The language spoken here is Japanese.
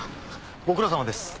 ご苦労さまです。